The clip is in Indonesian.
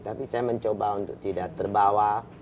tapi saya mencoba untuk tidak terbawa